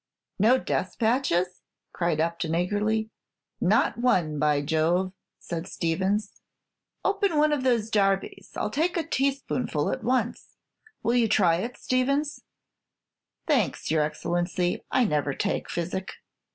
"No despatches?" cried Upton, eagerly. "Not one, by Jove!" said Stevins. "Open one of those Darby's. I 'll take a teaspoonful at once. Will you try it, Stevins?" "Thanks, your Excellency, I never take physic."